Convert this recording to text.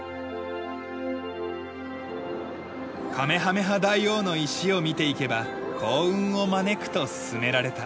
カメハメハ大王の石を見ていけば幸運を招くとすすめられた。